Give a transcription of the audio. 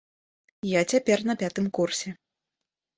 Я цяпер на пятым курсе.